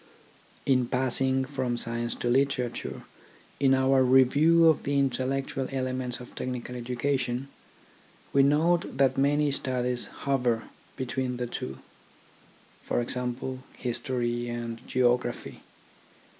In passing from science to literature, in our review of the intellectual elements of technical education, we note that many studies hover between the two : for example, history and geography.